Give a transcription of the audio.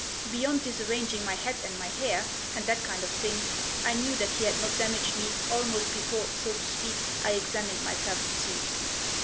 Beyond disarranging my hat and my hair, and that kind of thing, I knew that he had not damaged me almost before, so to speak, I examined myself to see.